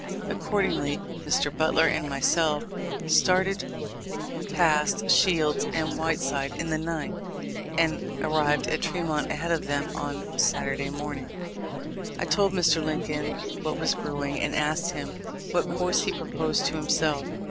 Accordingly, Mr. Butler and myself started, passed Shields and Whiteside in the night, and arrived at Tremont ahead of them on Saturday morning. I told Mr. Lincoln what was brewing, and asked him what course he proposed to himself.